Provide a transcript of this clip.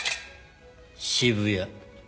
渋谷。